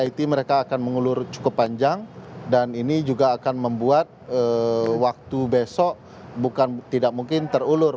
it mereka akan mengulur cukup panjang dan ini juga akan membuat waktu besok bukan tidak mungkin terulur